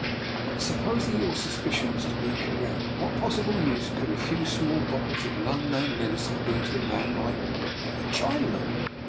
" But supposing your suspicions to be cor rect, what possible use could a few small bot tles of unknown medicine be to a man like that — a Chinaman?